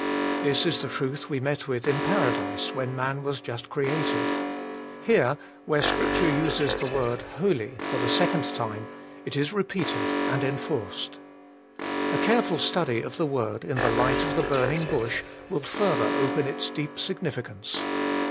This is the truth we met with in Paradise when man was just created ; here, where Scripture uses the word Holy for the second time, it is repeated and enforced. A careful study of the word in the light of the burning bush will further open its deep significance.